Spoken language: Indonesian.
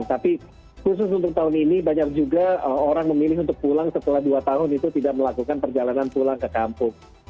tapi khusus untuk tahun ini banyak juga orang memilih untuk pulang setelah dua tahun itu tidak melakukan perjalanan pulang ke kampung